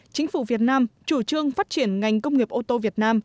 chính phủ việt nam chủ trương phát triển ngành công nghiệp ô tô việt nam